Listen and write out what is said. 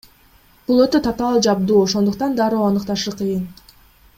Бул өтө татаал жабдуу, ошондуктан дароо аныкташ кыйын.